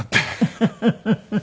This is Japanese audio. フフフフ。